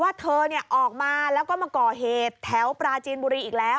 เธอออกมาแล้วก็มาก่อเหตุแถวปราจีนบุรีอีกแล้ว